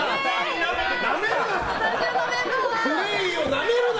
なめるな！